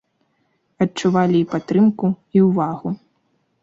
Адчувалі і падтрымку, і ўвагу.